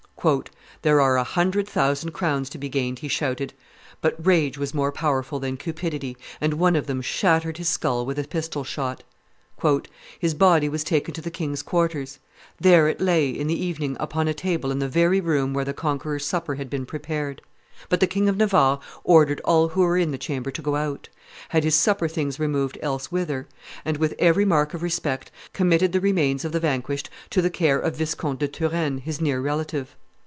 "There are a hundred thousand crowns to be gained," he shouted; but rage was more powerful than cupidity, and one of them shattered his skull with a pistol shot. "His body was taken to the king's quarters: there it lay, in the evening, upon a table in the very room where the conqueror's supper had been prepared: but the King of Navarre ordered all who were in the chamber to go out, had his supper things removed else whither, and, with every mark of respect, committed the remains of the vanquished to the care of Viscount de Turenne, his near relative.